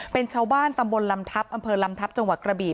เป็นชาวบ้านตำบลลำทัพอำเภอลำทัพจังหวัดกระบี